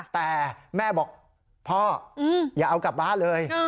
แต่แม่บอกพ่ออย่าเอากลับบ้านเลย